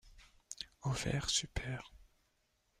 Ovaire supère.